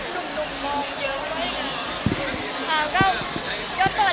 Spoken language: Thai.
ดุมมองเยอะเว้ย